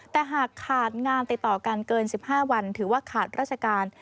แต่หากขาดงานติดต่อกันเกิน๑๕วันถือว่าขาดราชการ